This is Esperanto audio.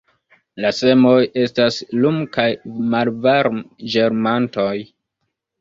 La semoj estas lum- kaj malvarm-ĝermantoj.